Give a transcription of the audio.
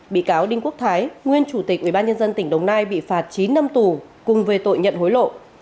bị cáo đinh quốc thái nguyên chủ tịch ubnd tỉnh đồng nai bị phạt chín năm tù cùng về tội nhận hối lộ